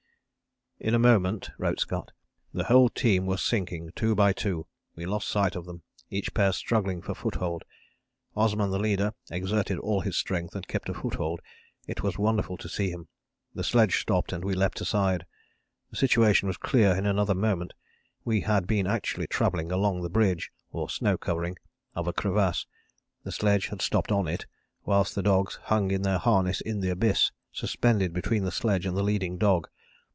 "In a moment," wrote Scott, "the whole team were sinking two by two we lost sight of them, each pair struggling for foothold. Osman the leader exerted all his strength and kept a foothold it was wonderful to see him. The sledge stopped and we leapt aside. The situation was clear in another moment. We had been actually travelling along the bridge [or snow covering] of a crevasse, the sledge had stopped on it, whilst the dogs hung in their harness in the abyss, suspended between the sledge and the leading dog.